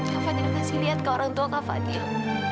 kak fadil kasih lihat ke orang tua kak fadil